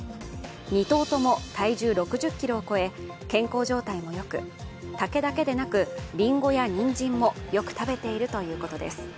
２頭とも体重６０ｋｇを超え健康状態もよく竹だけでなく、りんごやにんじんもよく食べているということです。